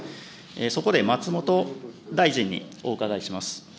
そこで松本大臣にお伺いします。